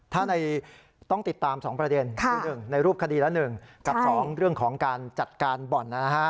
ถ้าในต้องติดตามสองประเด็นในรูปคดีละหนึ่งกับสองเรื่องของการจัดการบ่อนนะฮะ